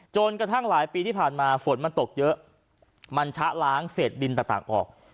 จนกระทั่งหลายปีที่ผ่านมาฝนมันตกเยอะมันชะล้างเศษดินต่างออก